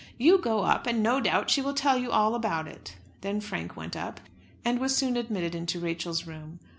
"You go up and no doubt she will tell you all about it." Then Frank went up, and was soon admitted into Rachel's room.